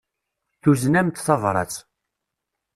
Tuzen-am-d tabrat.